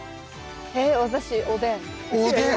えっ私おでん。